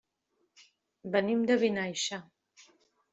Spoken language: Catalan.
Venim de Vinaixa.